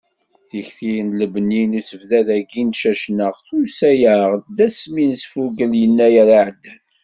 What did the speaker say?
Tikti n lebni n usebddad-agi n Cacnaq, tusa-aɣ-d asmi nesfugel yennayer iɛeddan.